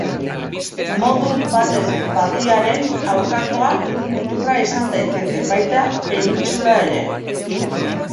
Modu batez badiaren aurkakoa lur-muturra izan daiteke; baita penintsula ere.